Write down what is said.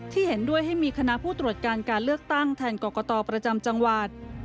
เห็นด้วยให้มีคณะผู้ตรวจการการเลือกตั้งแทนกรกตประจำจังหวัด